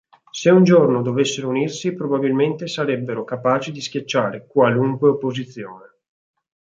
Se un giorno dovessero unirsi probabilmente sarebbero capaci di schiacciare qualunque opposizione.